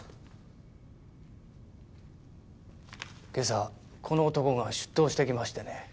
今朝この男が出頭してきましてね。